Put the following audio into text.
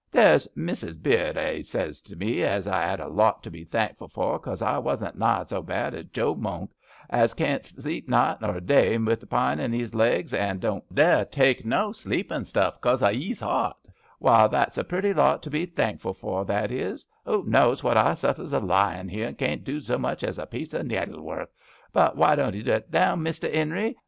There's Mrs. Bird, a zays to me as I 'ad a lawt to be thankful fur, cos I wasn't nigh zo bad as Job Monk, as caent sleep night or day wi* the pine in 'ees legs, and doan't dare take no sleepin' stuff cos o' 'ees *eart. Why, that's a pretty lawt to be thankful fur, that is I Who knaws what I suffers a lyin* 'ere and caen't do zo much as a piece o' naidlework ? But why doan't 'ee zet down, Mester 'Enery?